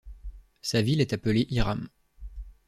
Sa ville est appelée Iram.